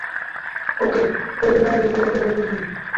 ওকে এ ব্যাপারে ভেবে দেখতে বলবে তুমি।